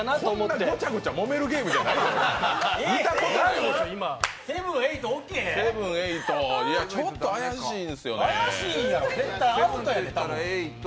こんなごちゃごちゃもめるゲームじゃないのよ、セブン、エイト、ちょっと怪しいですよね。